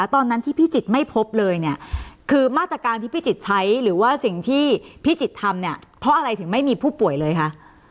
ตอนนั้นที่พี่จิตไม่พบเลยเนี่ยคือมาตรการที่พี่จิตใช้หรือว่าสิ่งที่พี่จิตทำเนี่ยเพราะอะไรถึงไม่มีผู้ป่วยเลยคะ